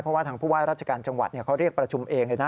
เพราะว่าทางผู้ว่าราชการจังหวัดเขาเรียกประชุมเองเลยนะ